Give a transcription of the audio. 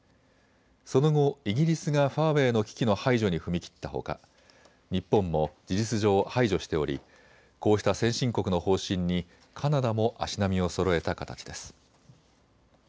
その後、イギリスがファーウェイの機器の排除に踏み切ったほか日本も事実上、排除しておりこうした先進国の方針にカナダも足並みをそろえた形です。